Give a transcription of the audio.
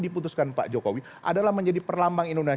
diputuskan pak jokowi adalah menjadi perlambatan